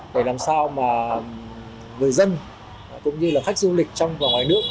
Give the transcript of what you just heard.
để làm sao mà người dân cũng như là khách du lịch trong và ngoài nước